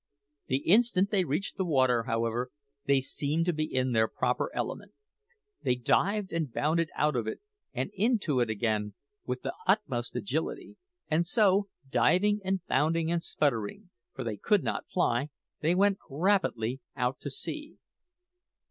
The instant they reached the water, however, they seemed to be in their proper element. They dived, and bounded out of it and into it again with the utmost agility; and so, diving and bounding and sputtering for they could not fly they went rapidly out to sea.